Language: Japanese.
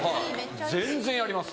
全然やります。